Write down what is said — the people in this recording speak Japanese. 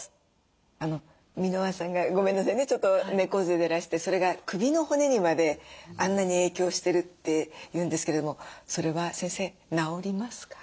箕輪さんがごめんなさいねちょっと猫背でらしてそれが首の骨にまであんなに影響してるっていうんですけれどもそれは先生なおりますか？